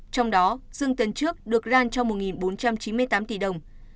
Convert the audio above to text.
trong đó dương tấn trước được ran cho một bốn trăm chín mươi tám tỷ đồng